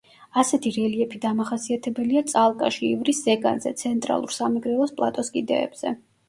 ასეთი რელიეფი დამახასიათებელია წალკაში, ივრის ზეგანზე, ცენტრალურ სამეგრელოს პლატოს კიდეებზე.